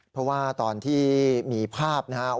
เพราะว่าตอนที่มีภาพนะครับ